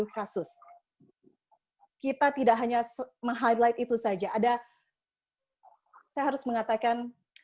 tiga enam ratus lima puluh tujuh kasus kita tidak hanya meng highlight itu saja ada saya harus mengatakan